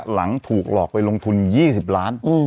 หลังถูกหลอกไปลงทุน๒๐ล้าน